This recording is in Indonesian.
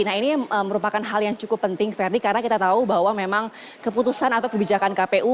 nah ini merupakan hal yang cukup penting verdi karena kita tahu bahwa memang keputusan atau kebijakan kpu